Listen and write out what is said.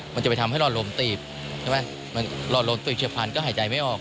มันจะไปทำให้รอดลมตีบรอดลมตีบเฉียบพันธุ์ก็หายใจไม่ออก